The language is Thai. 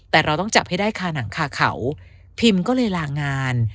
แต่เราต้องจับให้ได้คาหนังคาเขาพิมก็เลยลางาน